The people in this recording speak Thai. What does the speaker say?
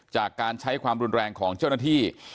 จากการใช้ความรุนแรงของเจ้าหน้าที่